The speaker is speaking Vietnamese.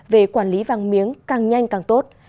về quản lý vàng miếng càng nhanh càng tốt